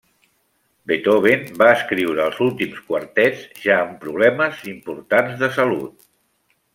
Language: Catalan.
Beethoven va escriure els últims quartets ja amb problemes importants de salut.